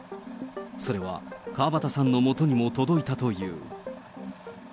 それは河端さんのもとにも届いたという。